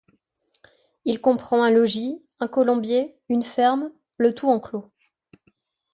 Il comprend un logis, un colombier, une ferme, le tout enclos.